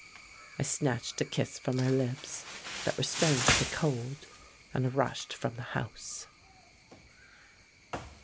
I snatched a kiss from her lips, that were strangely cold, and rushed from the house.